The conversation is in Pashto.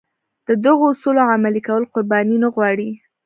د دغو اصولو عملي کول قرباني نه غواړي.